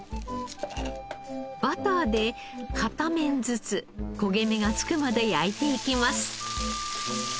バターで片面ずつ焦げ目がつくまで焼いていきます。